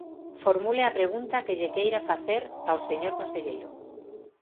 Formule a pregunta que lle queira facer ao señor conselleiro.